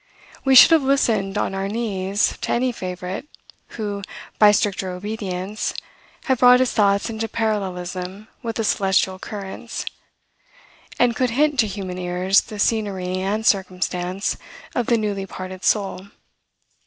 We should have listened on our knees to any favorite, who, by stricter obedience, had brought his thoughts into parallelism with the celestial currents, and could hint to human ears the scenery and circumstance of the newly parted soul.